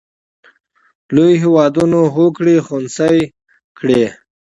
لوی هېوادونه هوکړې خنثی کړي.